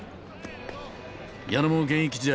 矢野も現役時代